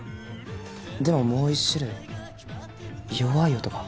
でももう一種類弱い音が。